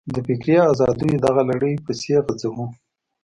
د فکري ازادیو دغه لړۍ پسې غځوو.